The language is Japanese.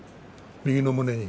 右の胸に。